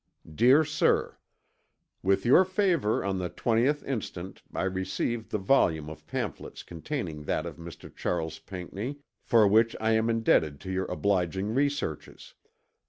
"DEAR SIR: With your favor of the 20th instant I received the volume of pamphlets containing that of Mr. Charles Pinckney, for which I am indebted to your obliging researches.